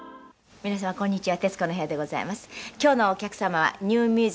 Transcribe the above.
谷村：こんにちは。